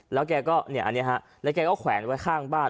แล้วเขาก็แขวนไว้ข้างบ้าน